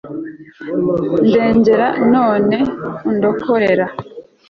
ndegera none undokorera